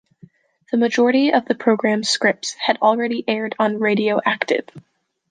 The majority of the programme's scripts had already aired on "Radio Active".